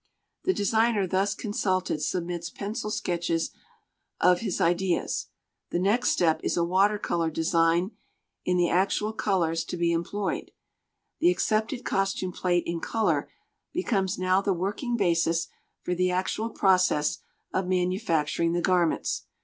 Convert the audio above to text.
The designer thus consulted submits pencil sketches of his ideas. The next step is a water color design in the actual colors to be employed. The accepted costume plate in color becomes now the working basis for the actual process of manufacturing the garments.